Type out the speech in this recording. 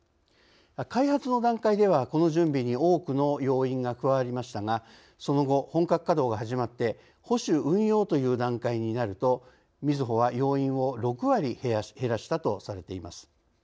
開発の段階ではこの準備に多くの要員が加わりましたがその後、本格稼働が始まって保守・運用という段階になるとみずほは、要員を６割減らしたとされています。